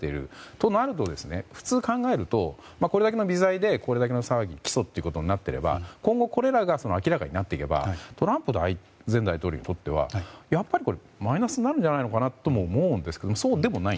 となると、普通考えるとこれだけの微罪でこれだけの騒ぎ、起訴となれば今後、これらが明らかになったらトランプ前大統領にとってはやっぱりマイナスになるんじゃないかとも思うんですけどそうでもない。